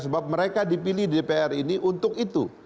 sebab mereka dipilih dpr ini untuk itu